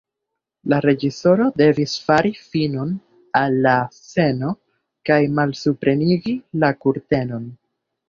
La reĝisoro devis fari finon al la sceno kaj malsuprenigi la kurtenon.